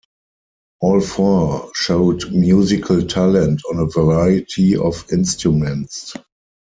All four showed musical talent on a variety of instruments.